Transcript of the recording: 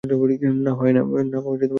না, হয় না।